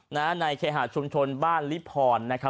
ในเคหาชุมชนบ้านลิพรนะครับ